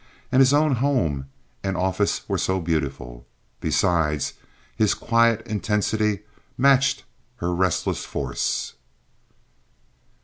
And his own home and office were so beautiful. Besides, his quiet intensity matched her restless force.